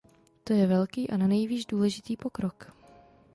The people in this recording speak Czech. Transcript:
To je velký a nanejvýš důležitý pokrok.